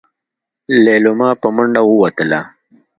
ليلما په منډه ووتله.